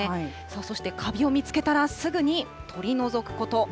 そしてカビを見つけたら、すぐに取り除くこと。